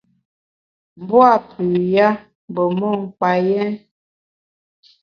M’bua’ pü ya mbe mon kpa yèn.